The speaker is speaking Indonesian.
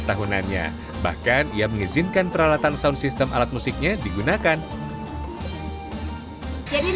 tahunannya bahkan ia mengizinkan peralatan sound system alat musiknya digunakan jadi